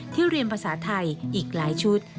เรียนภาษาไทยอีกหลายชุด